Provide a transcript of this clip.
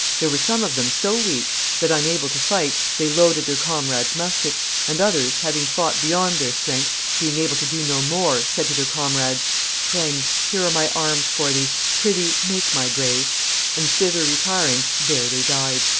There were some of them so weak that, unable to fight, they loaded their comrades' muskets; and others, having fought beyond their strength, being able to do no more, said to their comrades, 'Friend, here are my arms for thee; prithee, make my grave;' and, thither retiring, there they died."